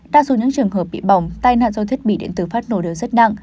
đa số những trường hợp bị bỏng tai nạn do thiết bị điện tử phát nổ đều rất nặng